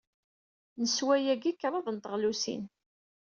Neswa yagi kraḍt n teɣlusin.